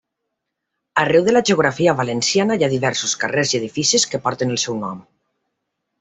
Arreu la geografia valenciana hi ha diversos carrers i edificis que porten el seu nom.